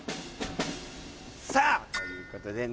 さあ！ということでね